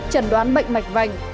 trần đoán bệnh mạch vành